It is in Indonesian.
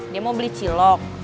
dia mau beli cilok